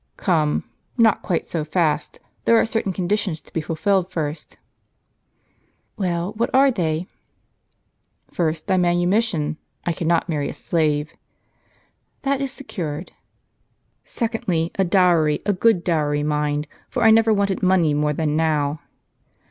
"Come, not quite so fast; there are certain conditions to be fulfilled first." " Well, what are they ?"" First, thy manumission. I cannot marry a slave." "That is secured." * About 800?. mr " Secondly, a dowry, a good dowry, mind ; for I never wanted money more than now."